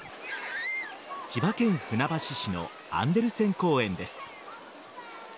千葉県船橋市のアンデルセン公園です。